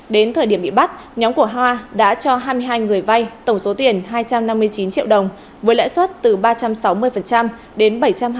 đến thời điểm bị bắt nhóm của hoa đã cho hai mươi hai người vai tổng số tiền hai trăm năm mươi chín triệu đồng với lãi suất từ ba trăm sáu mươi đến bảy trăm hai mươi